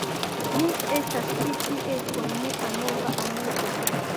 Mi estas ĉi tie kun mia nova amiko